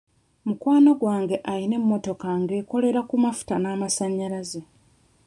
Mukwano gwange ayina emmotoka ng'ekolera ku mafuta n'amasannyalaze.